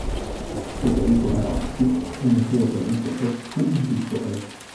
Federico Barocci, un suo pronipote, fu un pittore.